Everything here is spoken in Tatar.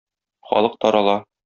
Халык тарала.